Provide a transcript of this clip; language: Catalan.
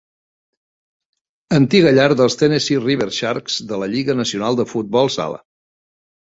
Antiga llar dels Tennessee River Sharks de la Lliga Nacional de Futbol Sala.